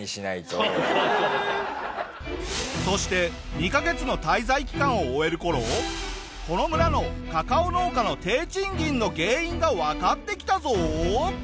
そして２カ月の滞在期間を終える頃この村のカカオ農家の低賃金の原因がわかってきたぞ！